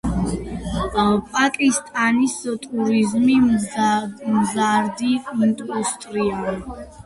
პაკისტანის ტურიზმი მზარდი ინდუსტრიაა.